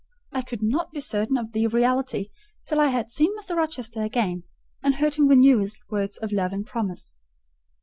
I could not be certain of the reality till I had seen Mr. Rochester again, and heard him renew his words of love and promise.